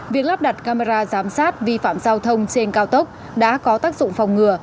việc lắp đặt camera giám sát vi phạm giao thông trên cao tốc đã có tác dụng phòng ngừa